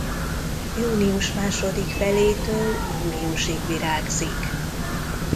Június második felétől júliusig virágzik.